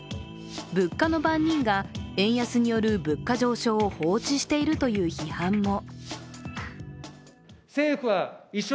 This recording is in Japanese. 物価の番人が円安による物価上昇を放置しているという批判も。